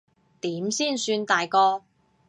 點先算大個？